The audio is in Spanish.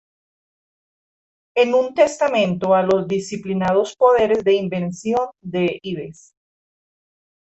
En un testamento a los disciplinados poderes de invención de Ives.